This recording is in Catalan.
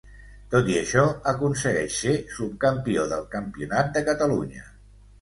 Tot i això aconsegueix ser subcampió del Campionat de Catalunya.